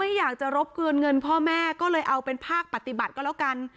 อยากจะรบกวนเงินพ่อแม่ก็เลยเอาเป็นภาคปฏิบัติก็แล้วกัน